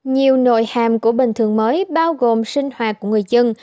nhiều nội hàm của bình thường mới bao gồm sinh hoạt của người dân